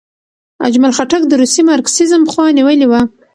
اجمل خټک د روسي مارکسیزم خوا نیولې وه.